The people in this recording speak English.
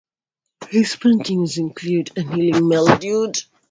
His paintings include "A Kneeling Male Nude".